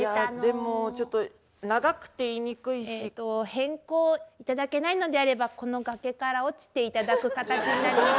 変更頂けないのであればこの崖から落ちて頂く形になります。